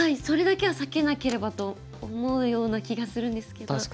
それだけは避けなければと思うような気がするんですけど。